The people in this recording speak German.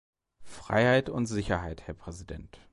Freiheit und Sicherheit, Herr Präsident.